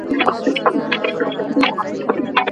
که قوانین ډیر سخت وي نو زده کوونکي بغاوت کوي.